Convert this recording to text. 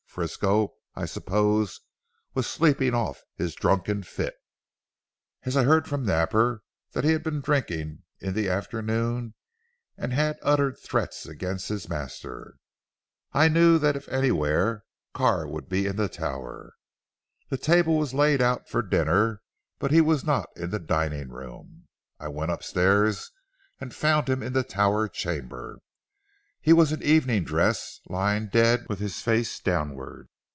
Frisco, I suppose was sleeping off his drunken fit, as I heard from Napper that he had been drinking in the afternoon and had uttered threats against his master. I knew that if anywhere, Carr would be in the Tower. The table was laid out for dinner, but he was not in the dining room. I went upstairs, and found him in the tower chamber. He was in evening dress lying dead with his face downward.